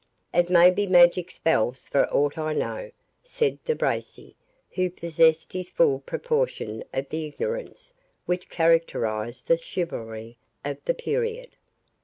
"It may be magic spells for aught I know," said De Bracy, who possessed his full proportion of the ignorance which characterised the chivalry of the period.